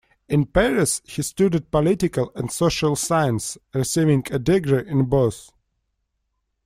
In Paris he studied political and social science, receiving a degree in both.